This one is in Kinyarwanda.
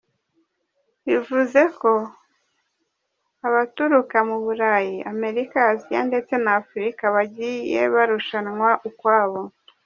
Bivuze ko abaturuka mu Burayi, Amerika, Asiya ndetse na Afurika bagiye barushanwa ukwabo.